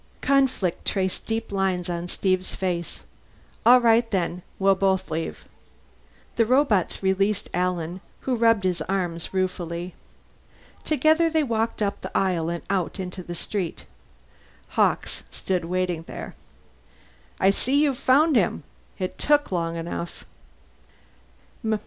Conflict traced deep lines on Steve's face. "All right, then. We'll both leave." The robots released Alan, who rubbed his arms ruefully. Together they walked up the aisle and out into the street. Hawkes stood waiting there. "I see you've found him. It took long enough."